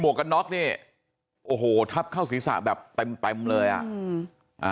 มัวกกระน็อกนี้อโฮทับเข้าศิลษะแบบเต็มเลยอ่ะ